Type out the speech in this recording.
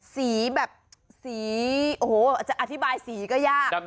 สีแบบสีโอ้โหจะอธิบายสีก็ยาก